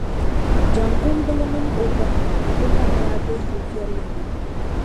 Jaŋkumbila mini o ba ni o ma n-daa be yili viɛlli ni.